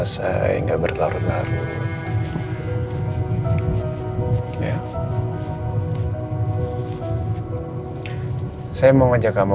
saya lihat menu nya ya